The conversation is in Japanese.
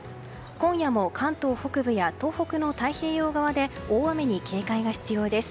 今夜も関東北部や東北の太平洋側で大雨に警戒が必要です。